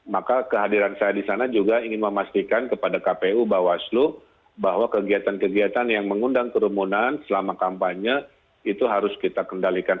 maka kehadiran saya di sana juga ingin memastikan kepada kpu bawaslu bahwa kegiatan kegiatan yang mengundang kerumunan selama kampanye itu harus kita kendalikan